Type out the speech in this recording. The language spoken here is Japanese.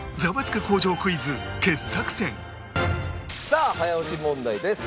さあ早押し問題です。